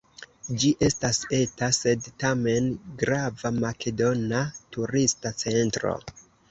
Ĝi estas eta sed tamen grava makedona turista centro.